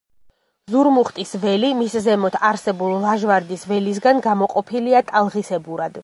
ზურმუხტის ველი, მის ზემოთ არსებულ ლაჟვარდის ველისგან გამოყოფილია ტალღისებურად.